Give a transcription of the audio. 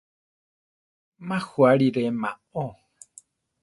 Má juáli re ma ao.